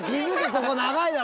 ここ長いだろ！」